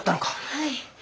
はい。